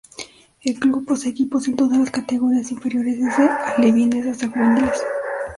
El club posee equipos en todas las categorías inferiores desde alevines hasta juveniles.